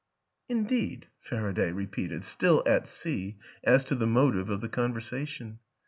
" Indeed! " Faraday repeated still at sea as to the motive of the conversation.